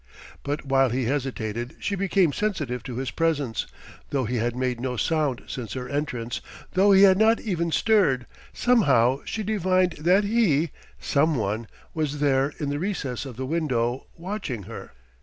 But while he hesitated, she became sensitive to his presence; though he had made no sound since her entrance, though he had not even stirred, somehow she divined that he someone was there in the recess of the window, watching her.